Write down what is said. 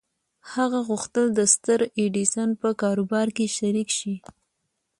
هغه غوښتل د ستر ايډېسن په کاروبار کې شريک شي.